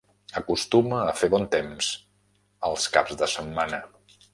Acostuma a fer bon temps els caps de setmana.